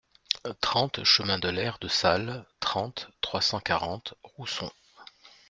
trente chemin de l'Aire de Salle, trente, trois cent quarante, Rousson